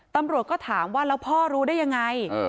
ตำรวจก็ถามว่าแล้วพ่อรู้ได้ยังไง